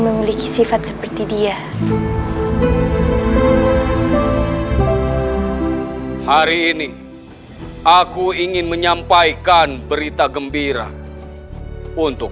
memiliki sifat seperti dia hari ini aku ingin menyampaikan berita gembira untuk